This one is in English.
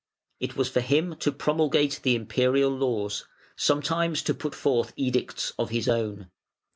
It was for him to promulgate the Imperial laws, sometimes to put forth edicts of his own.